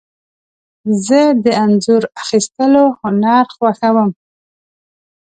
زه د انځور اخیستلو هنر خوښوم.